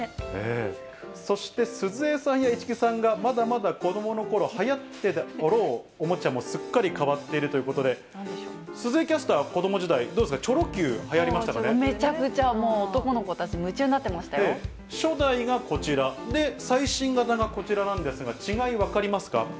そして鈴江さんや市來さんがまだまだ子どものころ、はやってたおもちゃもすっかり変わっているということで、鈴江キャスター、子ども時代、どうですか、めちゃくちゃ、もう男の子た初代がこちら、で、最新型がこちらなんですが、違い、分かりますか。